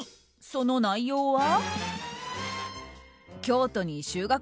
その内容は。